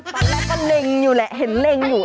ตอนแรกก็เล็งอยู่แหละเห็นเล็งอยู่